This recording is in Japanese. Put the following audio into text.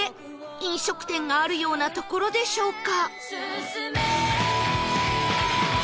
飲食店があるような所でしょうか？